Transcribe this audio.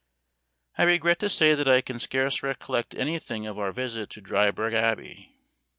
I regret to say that I can scarce recollect anything of our visit to Dryburgh Abbey.